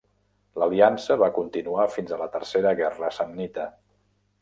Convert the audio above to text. L'aliança va continuar fins a la Tercera Guerra Samnita.